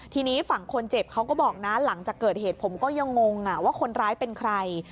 ทีนี้ฝั่งคนเจ็บเขาก็บอกนะหลังจากเกิดเหตุผมก็ยังงงว่าคนร้ายเป็นใคร